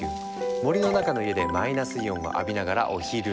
森の中の家でマイナスイオンを浴びながらお昼寝。